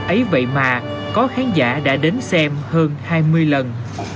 ấy vậy mà có khán giả đã đến xem hơn hai mươi lần